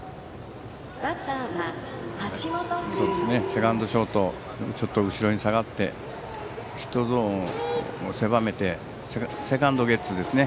セカンド、ショートちょっと後ろに下がってヒットゾーンを狭めてセカンドゲッツーですね。